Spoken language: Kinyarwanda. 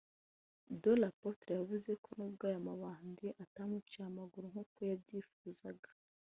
De la Porte yavuze ko nubwo aya mabandi atamuciye amaguru nkuko yabyifuzaga